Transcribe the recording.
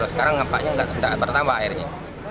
sekarang nampaknya tidak bertambah airnya